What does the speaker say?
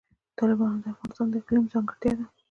تالابونه د افغانستان د اقلیم ځانګړتیا ده.